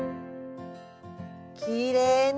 きれいね。